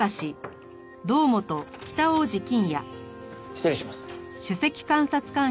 失礼します。